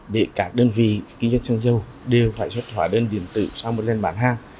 để các đơn vị kinh doanh xăng dầu đều phải xuất hóa đơn điện tử sau một lần bán hàng